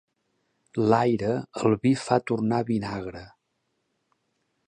L'aire, el vi fa tornar vinagre.